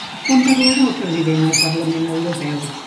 Quan parlarà el president al Parlament Europeu?